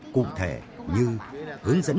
cụ thể như hướng dẫn